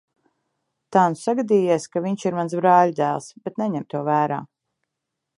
Tā nu sagadījies, ka viņš ir mans brāļadēls, bet neņem to vērā.